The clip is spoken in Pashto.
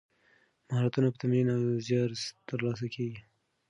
مهارتونه په تمرین او زیار ترلاسه کیږي.